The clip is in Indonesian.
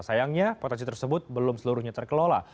sayangnya potensi tersebut belum seluruhnya terkelola